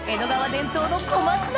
伝統の小松菜